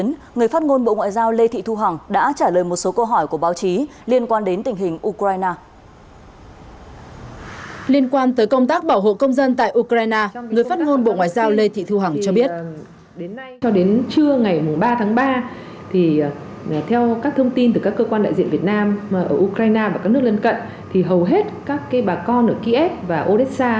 người ta sẽ xử lý như thế nào cảm thấy như thế nào